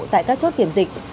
tại các chốt kiểm dịch